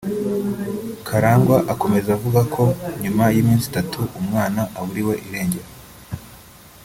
Kalangwa akomeza avuga ko nyuma y’ iminsi itatu umwana aburiwe irengero